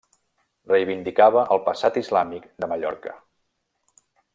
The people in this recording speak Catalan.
Reivindicava el passat islàmic de Mallorca.